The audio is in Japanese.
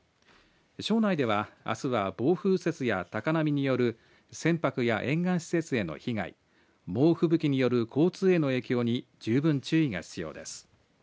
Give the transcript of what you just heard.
庄内ではあすは暴風雪や高波による船舶や沿岸施設への被害猛吹雪による交通への影響に十分注意が必要です。